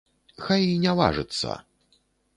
Хай і не важыцца!